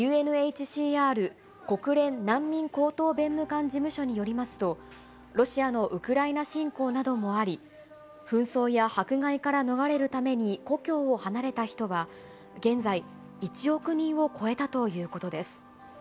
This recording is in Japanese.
ＵＮＨＣＲ・国連難民高等弁務官事務所によりますと、ロシアのウクライナ侵攻などもあり、紛争や迫害から逃れるために故郷を離れた人は、現在、１億人を超えたということです。